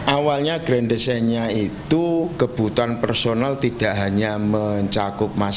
awalnya grandesennya itu kebutuhan personal tidak hanya mencakup masalah